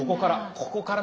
ここから。